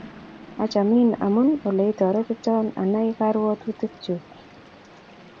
Achomin amun aleiotoretiton anai karwotutik chuk.